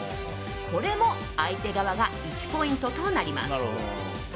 これも相手側が１ポイントとなります。